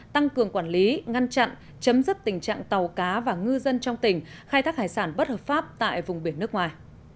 tăng cường quản lý ngăn chặn chấm dứt tình trạng tàu cá và ngư dân trong tỉnh khai thác hải sản bất hợp pháp tại vùng biển nước ngoài